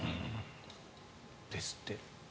ですって。